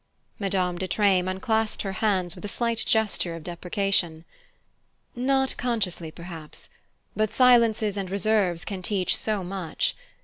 Madame de Treymes unclasped her hands with a slight gesture of deprecation. "Not consciously, perhaps; but silences and reserves can teach so much.